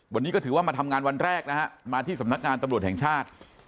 วันนี้ก็ถือว่ามาทำงานวันแรกนะฮะมาที่สำนักงานตำรวจแห่งชาติ